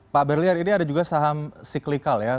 pak berlian ini ada juga saham cyclical ya